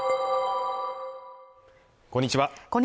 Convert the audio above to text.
こんにちは